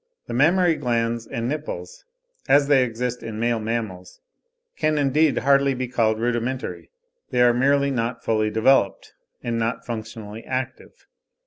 The mammary glands and nipples, as they exist in male mammals, can indeed hardly be called rudimentary; they are merely not fully developed, and not functionally active.